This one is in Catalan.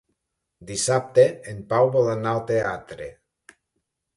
Dissabte en Pau vol anar al teatre.